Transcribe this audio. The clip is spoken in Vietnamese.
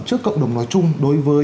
trước cộng đồng nói chung đối với